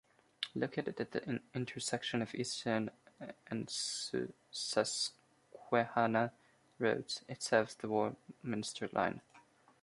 Located at the intersection of Easton and Susquehanna Roads, it serves the Warminster Line.